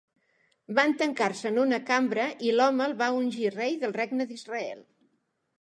Van tancar-se en una cambra i l'home el va ungir rei del Regne d'Israel.